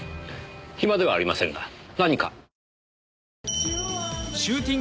暇ではありませんが何か？